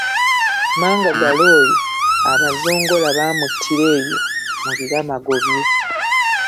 Mangagala oyo Abazongola baamuttira eyo mu biramago bye.